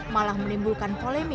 malah menimbulkan koleksi